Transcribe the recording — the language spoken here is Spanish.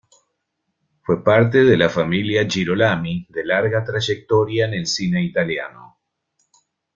Fue parte de la familia Girolami, de larga trayectoria en el cine italiano.